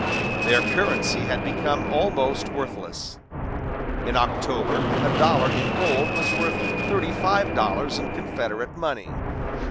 Their currency had become almost worthless. In October, a dollar in gold was worth thirty five dollars in Confederate money.